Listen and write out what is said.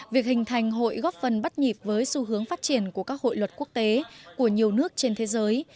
việc hình thành hội góp phần bắt nhịp với xu hướng phát triển của các hội luật quốc tế của nhiều nước trên thế giới